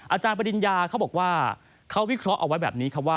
อาจารย์ปริญญาเขาบอกว่าเขาวิเคราะห์เอาไว้แบบนี้ครับว่า